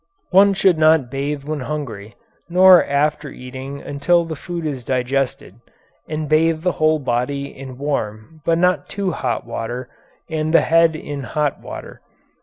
One should not bathe when hungry, nor after eating until the food is digested, and bathe the whole body in warm but not too hot water and the head in hot water.